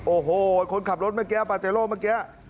โอ้โหคนขับรถเมื่อกี้ปาเจโร่เมื่อกี้